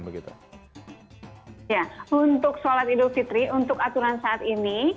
ya untuk sholat idul fitri untuk aturan saat ini